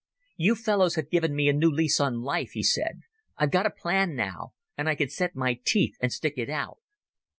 "You fellows have given me a new lease of life," he said. "I've got a plan now, and I can set my teeth and stick it out."